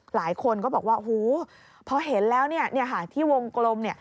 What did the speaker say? หลายคนก็บอกว่าพอเห็นแล้วที่วงกลม